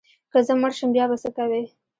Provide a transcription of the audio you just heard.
که زه مړ شم بیا به څه کوې؟